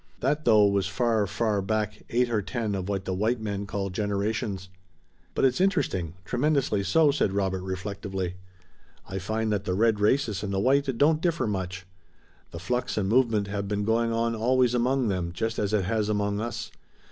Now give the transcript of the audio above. That, though, was far, far back, eight or ten of what the white men call generations." "But it's interesting, tremendously so," said Robert, reflectively. "I find that the red races and the white don't differ much. The flux and movement have been going on always among them just as it has among us.